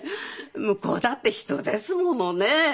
向こうだって人ですものねえ！